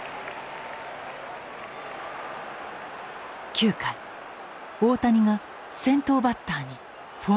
９回大谷が先頭バッターにフォアボール。